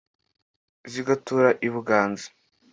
Zigatura i Buganza :